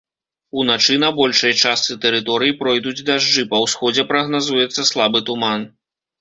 Уначы на большай частцы тэрыторыі пройдуць дажджы, па ўсходзе прагназуецца слабы туман.